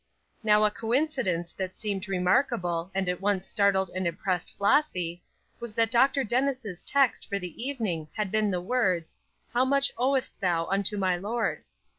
Now a coincidence that seemed remarkable, and at once startled and impressed Flossy, was that Dr. Dennis' text for the evening had been the words, "How much owest thou unto my Lord?"